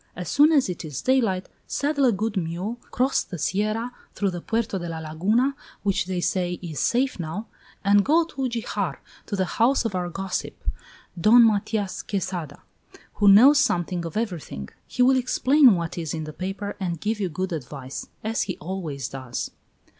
As soon as it is daylight, saddle a good mule, cross the Sierra through the Puerto de la Laguna, which they say is safe now, and go to Ugijar, to the house of our gossip, Don Matias Quesada. who knows something of everything. He will explain what is in the paper and give you good advice, as he always does."